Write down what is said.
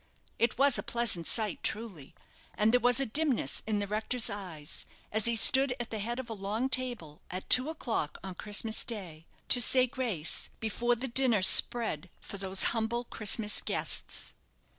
It was a pleasant sight truly, and there was a dimness in the rector's eyes, as he stood at the head of a long table, at two o'clock on Christmas day, to say grace before the dinner spread for those humble Christmas guests.